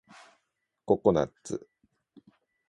ココナッツ